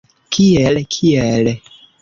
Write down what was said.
Kiel, kiel?